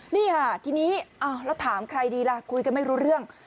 นี่ค่ะทีนี้แล้วถามใครดีล่ะคุยกันไม่รู้เรื่อง